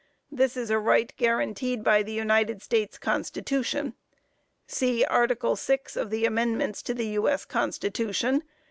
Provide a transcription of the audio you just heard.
This is a right guaranteed by the United States Constitution. (_See Article VI. of the amendments to the U.S. Constitution.